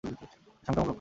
এটি সংক্রামক রোগ।